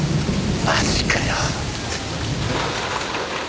マジかよ。